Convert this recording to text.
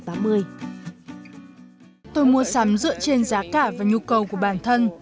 tôi mua sắm dựa trên giá cả và nhu cầu của bản thân